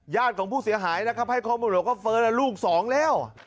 ญาติของผู้เสียหายนะครับให้เขาบอกว่าเฟิร์นแล้วลูกสองแล้ว